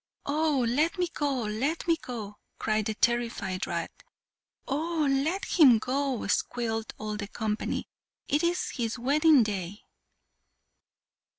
"Oh! let me go, let me go," cried the terrified rat. "Oh! let him go," squealed all the company. "It is his wedding day."